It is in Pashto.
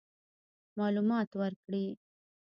معلومات ورکړي.